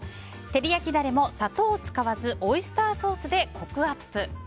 照り焼きダレも砂糖を使わずオイスターソースでコクをアップ。